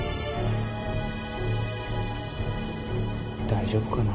大丈夫かな？